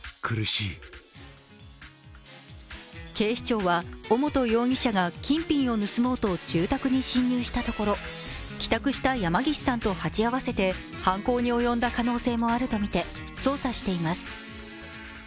警視庁は尾本容疑者が金品を盗もうと住宅に侵入したところ帰宅した山岸さんと鉢合わせて犯行に及んだ可能性もあるとみて捜査しています。